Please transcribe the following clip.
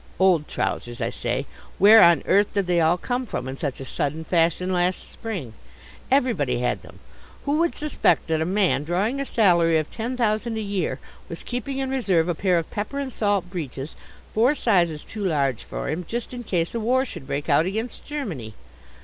Old trousers, I say. Where on earth did they all come from in such a sudden fashion last spring? Everybody had them. Who would suspect that a man drawing a salary of ten thousand a year was keeping in reserve a pair of pepper and salt breeches, four sizes too large for him, just in case a war should break out against Germany!